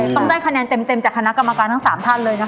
ต้องได้คะแนนเต็มจากคณะกรรมการทั้ง๓ท่านเลยนะคะ